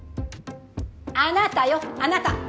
あなたよあなた。